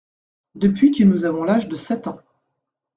Depuis que nous avons l’âge de sept ans.